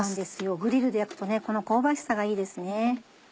グリルで焼くとこの香ばしさがいいですね。